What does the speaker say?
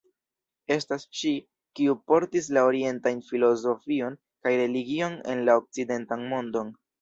Estas ŝi, kiu portis la orientajn filozofion kaj religion en la okcidentan mondon.